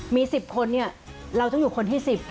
มี๑๐คนเนี่ยเราต้องอยู่คนที่๑๐